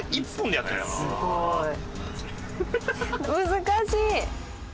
難しい！